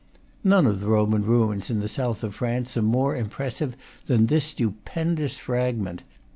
None of the Roman remains in the south of France are more impressive than this stupendous fragment.